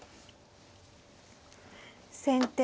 先手